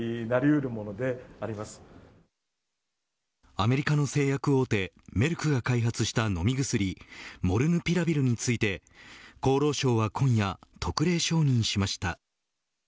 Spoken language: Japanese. アメリカの製薬大手メルクが開発した飲み薬モルヌピラビルについて厚労省は今夜特例承認しました。